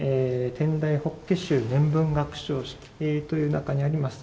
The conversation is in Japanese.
「天台法華宗年分学生式」という中にあります